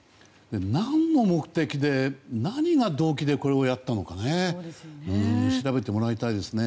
何の目的で何が動機でこれをやったのか調べてもらいたいですね。